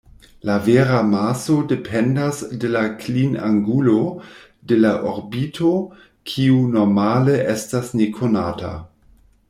La vera maso dependas de la klinangulo de la orbito, kiu normale estas nekonata.